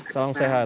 salam sehat lalu